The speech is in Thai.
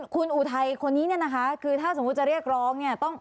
คุณอุทัยคนนี้เนี่ยนะคะคือถ้าสมมุติจะเรียกร้องเนี่ย